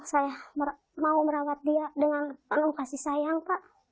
saya mau merawat dia dengan penuh kasih sayang pak